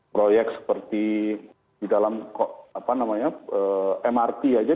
proyek seperti di dalam mrt aja